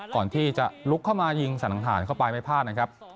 ก่อนที่จะลุกเข้ามายิงสันฐานเข้าไปไม่พลาดนะครับ